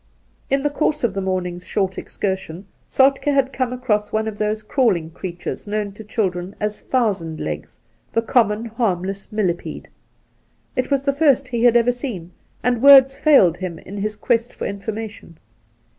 In the course of the morning's short excursion Soltke 59 Soltk6 had come across one of those crawling creatures known to children as 'thousand legs,' the common, harmless millepede. It was the first he had ever seen, and words failed him in his quest for information.